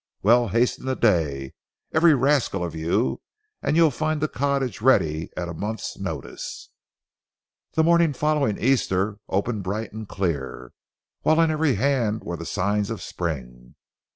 Well, hasten the day, every rascal of you, and you'll find a cottage ready at a month's notice." The morning following Easter opened bright and clear, while on every hand were the signs of spring.